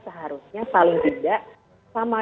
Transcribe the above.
seharusnya paling tidak sama